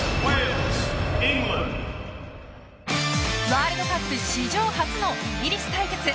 ワールドカップ史上初のイギリス対決。